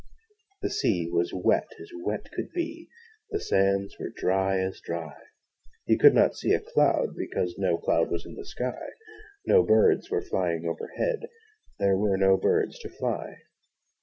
The sea was wet as wet could be, The sands were dry as dry. You could not see a cloud, because No cloud was in the sky: No birds were flying overhead There were no birds to fly.